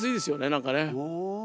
何かね。